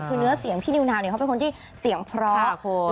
คือเนื้อเสียงพี่นิวนาวเนี่ยเขาเป็นคนที่เสียงเพราะคุณ